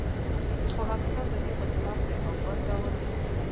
خو حقیقت د دې پرخلاف دی او بل ډول و